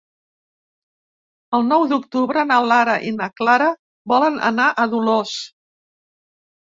El nou d'octubre na Lara i na Clara volen anar a Dolors.